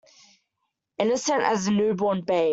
Innocent as a new born babe.